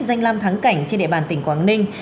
danh lam thắng cảnh trên địa bàn tỉnh quảng ninh